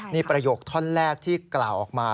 นี่ประโยคท่อนแรกที่กล่าวออกมา